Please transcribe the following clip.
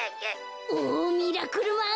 おミラクルマン。